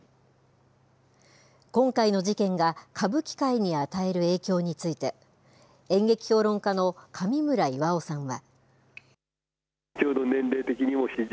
今回の事件が歌舞伎界に与える影響について、演劇評論家の上村以和於さんは。